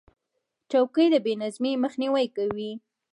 چوکۍ د بې نظمۍ مخنیوی کوي.